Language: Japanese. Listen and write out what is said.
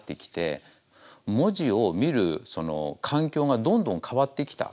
文字を見る環境がどんどん変わってきた。